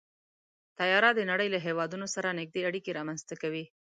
طیاره د نړۍ له هېوادونو سره نږدې اړیکې رامنځته کوي.